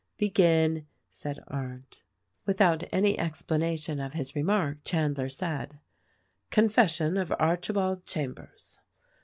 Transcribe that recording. "Begin," said Arndt. Without any explanation of his remark Chandler said: "Confession of Archibald Chambers.